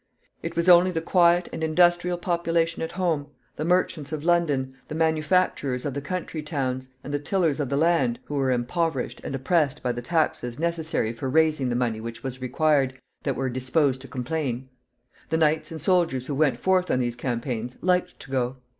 It was only the quiet and industrial population at home, the merchants of London, the manufacturers of the country towns, and the tillers of the land, who were impoverished and oppressed by the taxes necessary for raising the money which was required, that were disposed to complain. The knights and soldiers who went forth on these campaigns liked to go.